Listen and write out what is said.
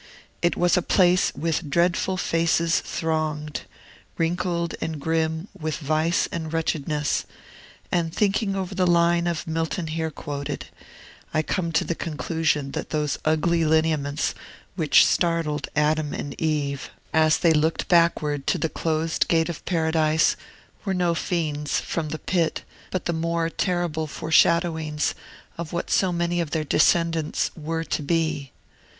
It was a place "with dreadful faces thronged," wrinkled and grim with vice and wretchedness; and, thinking over the line of Milton here quoted, I come to the conclusion that those ugly lineaments which startled Adam and Eve, as they looked backward to the closed gate of Paradise, were no fiends from the pit, but the more terrible foreshadowings of what so many of their descendants were to be.